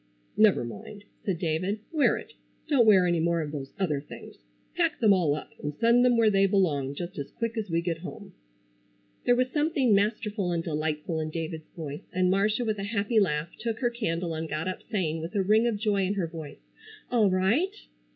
"Never mind," said David. "Wear it. Don't wear any more of those other things. Pack them all up and send them where they belong, just as quick as we get home." There was something masterful and delightful in David's voice, and Marcia with a happy laugh took her candle and got up saying, with a ring of joy in her voice: "All right!"